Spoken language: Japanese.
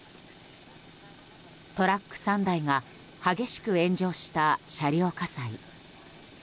トラック３台が激しく炎上した車両火災。